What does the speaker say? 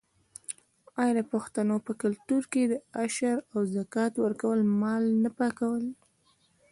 آیا د پښتنو په کلتور کې د عشر او زکات ورکول مال نه پاکوي؟